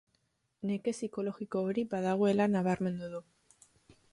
Neke psikologiko hori badagoela nabarmendu du.